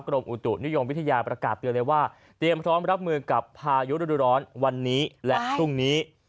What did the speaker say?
กรมอุตุนิยมวิทยาประกาศเตรียมพร้อมรับมือกับพายุร้อนวันนี้และทุ่งนี้